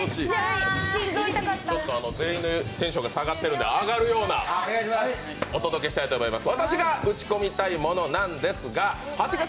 全員のテンションが下がってるんで上がるようなお届けしたいと思います